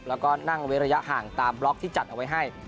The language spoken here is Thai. แล้วก็นั่งเว้นระยะห่างตามบล็อกที่จัดเอาไว้ให้